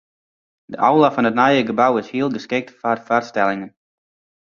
De aula fan it nije gebou is hiel geskikt foar foarstellingen.